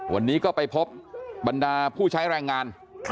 วันนี้ก็ไปพบบรรดาผู้ใช้แรงงาน